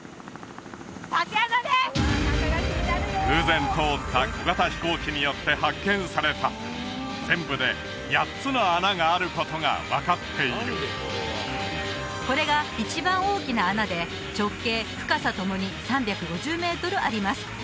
偶然通った小型飛行機によって発見された全部で８つの穴があることが分かっているこれが一番大きな穴で直径深さともに３５０メートルあります